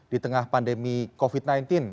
di tengah pandemi covid sembilan belas